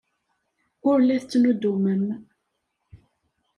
Ur la tettnuddumem.